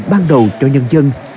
ban đầu cho nhân dân